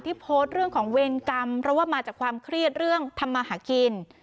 โพสต์เรื่องของเวรกรรมเพราะว่ามาจากความเครียดเรื่องทำมาหากิน